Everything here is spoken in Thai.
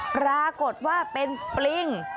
ปรากฏว่าเป็นปริง